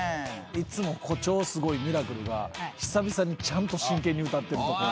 いつも誇張すごいミラクルが久々にちゃんと真剣に歌ってる。